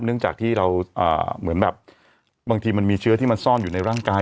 เนื่องจากที่เราเหมือนแบบบางทีมันมีเชื้อที่มันซ่อนอยู่ในร่างกาย